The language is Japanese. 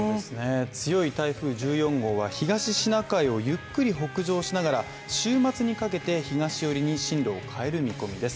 強い台風１４号は東シナ海をゆっくり北上しながら週末にかけて東寄りに進路を変える見込みです。